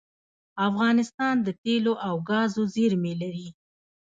افغانستان د تیلو او ګازو زیرمې لري